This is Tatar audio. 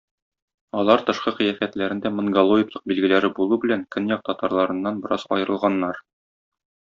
Алар тышкы кыяфәтләрендә монголоидлык билгеләре булу белән көньяк татарларыннан бераз аерылганнар.